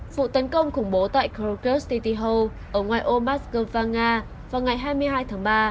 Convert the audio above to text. vụ tấn công khủng bố tại krakow city hall ở ngoài ô moscow nga vào ngày hai mươi hai tháng ba